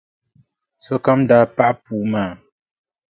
Sokam daa paɣi puu maa.